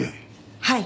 はい。